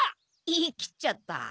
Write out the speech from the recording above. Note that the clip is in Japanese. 言い切っちゃった。